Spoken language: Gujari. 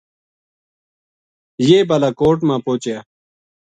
یہ بالاکوٹ ما پوہچیا